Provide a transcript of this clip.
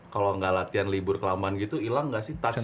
kalau nggak latihan libur kelamaan gitu hilang nggak sih touch